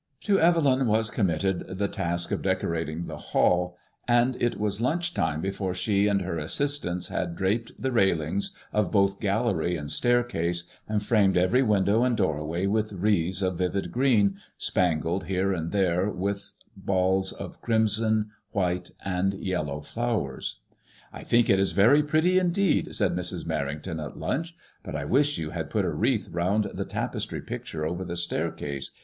To Evelyn was committed the task of decorating the hall, and it was lunch time before she and 9 Ia6 MADXMOI8BLLB IXS. her assistants had draped the railings of both gallery and stair case, and framed every window and doorway with wreaths of vivid green, spangled here and there with balls of crimson, white, and yellow flowers. " I think it is very pretty in deed," said Mrs. Merrington at lunch ;but I wish you had put a wreath round the tapestry pic ture over the staircase.